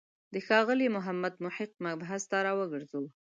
د ښاغلي محمد محق مبحث ته راوګرځو.